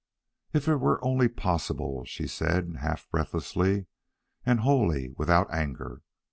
"If it were only possible" she said, half breathlessly, and wholly without anger.